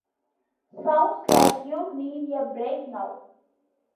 Sounds like you need a break now!